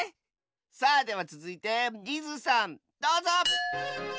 さあではつづいてニズさんどうぞ！